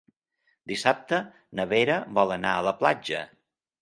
Dissabte na Vera vol anar a la platja.